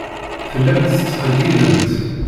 Tellamt tettqeyyilemt.